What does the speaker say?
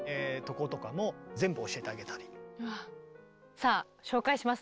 さあ紹介しますね。